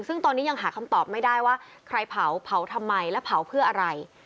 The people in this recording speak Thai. ซึ่งตอนนี้ยังหาคำตอบไม่ได้ว่าใครเผาเผาทำไมและเผาเพื่ออะไร